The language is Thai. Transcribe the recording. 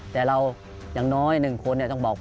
แต่เราอย่างน้อย๑คนต้องบอก